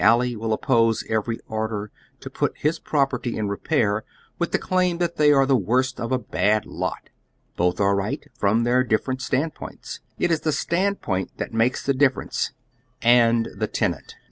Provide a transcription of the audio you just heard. alley will oppose every order to pnt Iiis property in repair with the claim that they are the worst of a bad lot. Both are right, from their different stand points. It is the stand point that makes the difference— and the tenant.